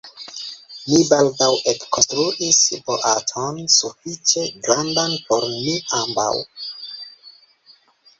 Ni baldaŭ ekkonstruis boaton sufiĉe grandan por ni ambaŭ.